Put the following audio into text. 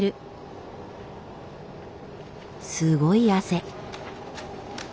すごい汗。